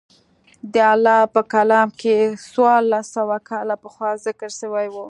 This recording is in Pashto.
د الله په کلام کښې څوارلس سوه کاله پخوا ذکر سوي وو.